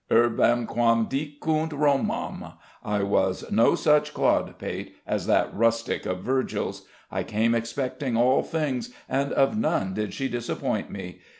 Urbem quam dicunt Romam I was no such clodpate as that rustic of Virgil's. I came expecting all things, and of none did she disappoint me.